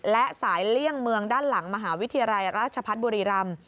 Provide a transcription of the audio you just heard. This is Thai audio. และสายเลี่ยงเมืองด้านหลังมหาวิทยาลัยราชพัฒน์บุรีรำ